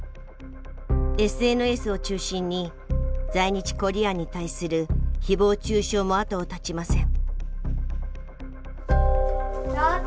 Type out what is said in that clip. ＳＮＳを中心に在日コリアンに対する誹謗中傷も後を絶ちません。